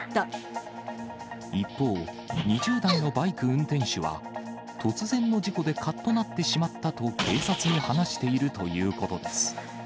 一方、２０代のバイク運転手は、突然の事故でかっとなってしまったと警察に話しているということです。